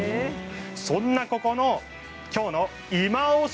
そんなここの今日のいまオシ！